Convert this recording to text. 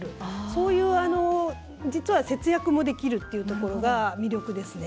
そういう、実は節約もできるっていうところが魅力ですね。